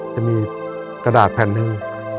จะมีกระดาษแผ่นหนึ่ง